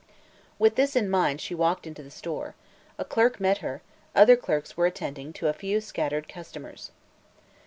With this in mind she walked into the store. A clerk met her; other clerks were attending to a few scattered customers.